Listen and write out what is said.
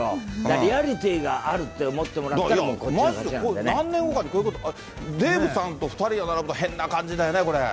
リアリティーがあるって思っても何年後かにこういうこと、デーブさんと２人で並ぶと変な感じだよね、これ。